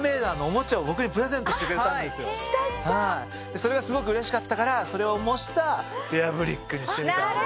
それがすごくうれしかったからそれを模したベアブリックにしてみたんですよ。